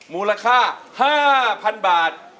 มูลค่า๕๐๐๐บาท